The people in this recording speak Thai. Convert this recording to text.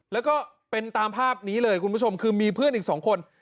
แล้วก็เป็นตามภาพนี้เลยคุณผู้ชมคือมีเพื่อนอีกสองคน